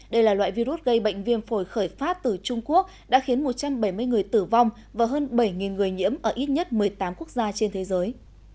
đây là loại virus gây bệnh viêm phổi khởi phát từ trung quốc đã khiến một trăm bảy mươi người tử vong và hơn bảy người nhiễm ở ít nhất một mươi tám quốc gia trên thế giới